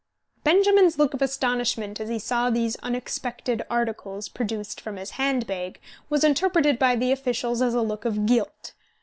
Benjamin's look of astonishment as he saw these unexpected articles produced from his hand bag was interpreted by the officials as a look of guilt.